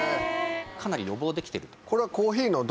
かなり予防できていると。